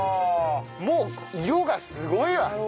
もう色がすごいわ。